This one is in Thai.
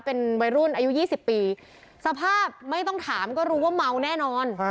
เป็นวัยรุ่นอายุ๒๐ปีสภาพไม่ต้องถามก็รู้ว่าเมาแน่นอน